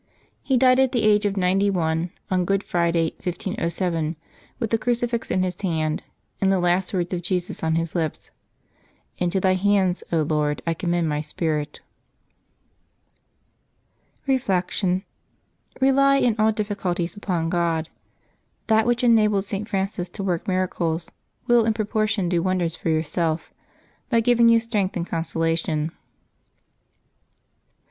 He died at the age of ninety one, on Good Friday, 1507, with the crucifix in his hand, and the last words of Jesus on his lips, " Into Thy hands, Lord, I commend my spirit^ Reflection. — Eely in all difficulties upon God. That which enabled .St. Francis to work miracles will in propor tion do wonders for yourself, by giving you strength and consolation.